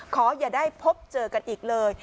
ขออย่าได้พบเจอกันอีกเลย